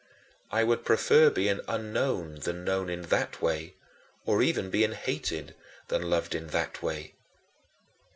I would prefer being unknown than known in that way, or even being hated than loved that way.